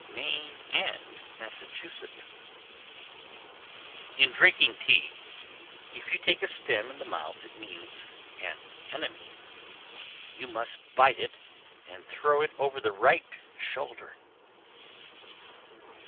Maine and Massachusetts. 1326. In drinking tea, if you take a stem in the mouth it means an enemy; you must bite it and throw it over the right shoulder.